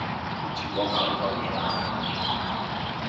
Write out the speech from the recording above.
唔好搞咁多嘢啦